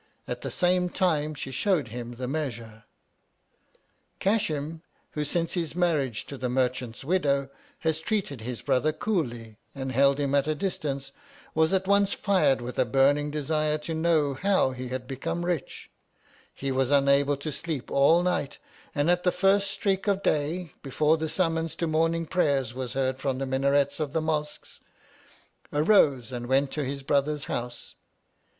At the same time she showed him the measure. Cashim, who since his marriage to the merchant's widow, had treated his brother coolly and held him at a distance, was at once fired with a burning desire to know how he had become rich He was unable to sleep all night, and at the first streak of day, before the summons to morning prayers was heard from the minarets of the mosques, arose and went to his brother's house.